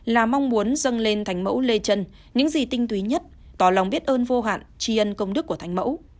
là mong muốn dâng lên thành mẫu lê chân những gì tinh túy nhất tỏ lòng biết ơn vô hạn tri ân công đức của thành mẫu